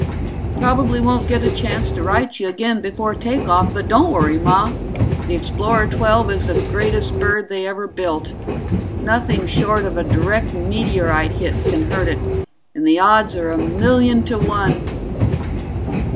__ probably won't get a chance to write you again before take off, but don't worry, Ma. The Explorer XII is the greatest bird they ever built. Nothing short of a direct meteorite hit can hurt it, and the odds are a million to one